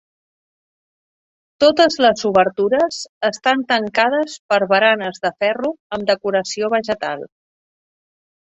Totes les obertures estan tancades per baranes de ferro amb decoració vegetal.